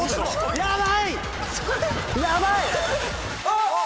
あっ！